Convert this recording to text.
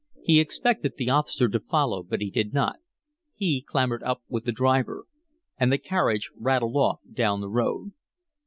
He expected the officer to follow, but he did not; he clambered up with the driver. And the carriage rattled off down the road.